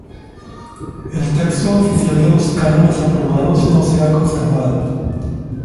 El texto oficial de los cánones aprobados no se ha conservado.